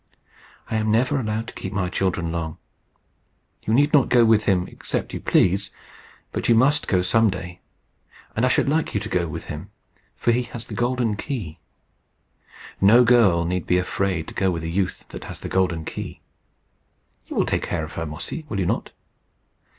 "I am never allowed to keep my children long. You need not go with him except you please, but you must go some day; and I should like you to go with him, for he has the golden key. No girl need be afraid to go with a youth that has the golden key. You will take care of her, Mossy, will you not?"